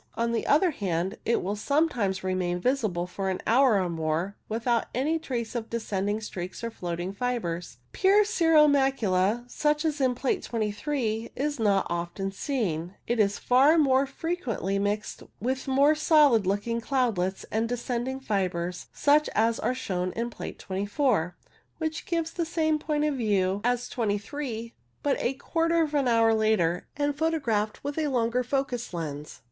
On the other hand, it will sometimes remain visible for an hour or more without any trace of descending streaks or floating fibres. Pure cirro macula such as Plate 23 is not often seen ; it is far more frequently mixed with more solid looking cloudlets and descending fibres, such as are shown in Plate 24, which gives the same point of view as CIRRO MACULA 55 23, but a quarter of an hour later, and photo graphed with a longer focus lens.